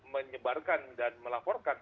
menyebarkan dan melaporkan